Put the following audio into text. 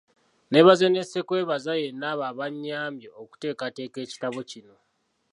Nneebaza ne ssekwebaza yenna abo abanyambye okuteekateeka ekitabo kino.